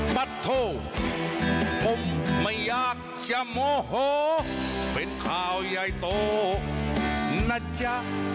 ปัดโทผมไม่อยากจะโมโหเป็นข่าวใหญ่โตนะจ๊ะ